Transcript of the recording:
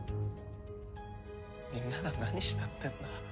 みんなが何したってんだ？